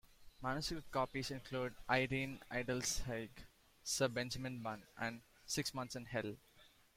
Manuscript copies include "Irene Iddesleigh", "Sir Benjamin Bunn" and "Six Months in Hell".